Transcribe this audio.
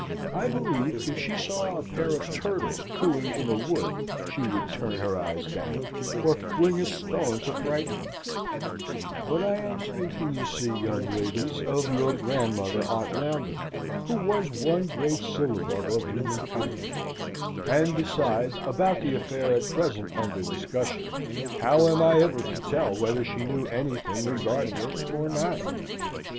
I believe if she saw a pair of turtles cooing in a wood, she would turn her eyes down, or fling a stone to frighten them; but I am speaking, you see, young ladies, of your grandmother, Aunt Lambert, who was one great syllabub of human kindness; and, besides, about the affair at present under discussion, how am I ever to tell whether she knew anything regarding it or not?